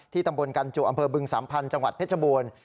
ตำบลกันจุอำเภอบึงสัมพันธ์จังหวัดเพชรบูรณ์